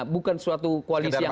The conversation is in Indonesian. bukan suatu koalisi yang